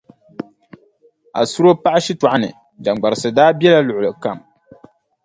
Asuro paɣa shitɔɣu ni, jaŋgbarisi daa bela luɣili kam.